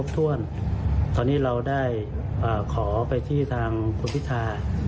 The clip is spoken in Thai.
ถ้วนตอนนี้เราได้ขอไปที่ทางคุณพิธา